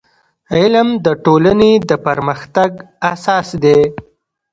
• علم د ټولنې د پرمختګ اساس دی.